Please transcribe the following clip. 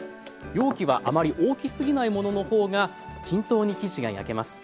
容器はあまり大きすぎないものの方が均等に生地が焼けます。